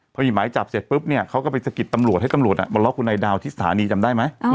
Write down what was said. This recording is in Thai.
พอมีหมายจับเสร็จปุ๊บเนี่ยเขาก็ไปสะกิดตำรวจให้ตำรวจมาล็อกคุณนายดาวที่สถานีจำได้ไหม